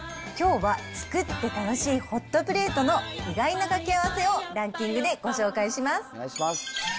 きょうは作って楽しいホットプレートの意外な掛け合わせをランキングでご紹介します。